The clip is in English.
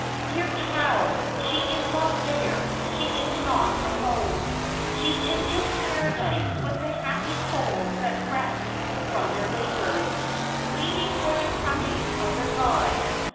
' Dear child, she is not there, she is not alone. She is ia Paradise with the happy souls that rest from their labours, waiting for the coming of their God.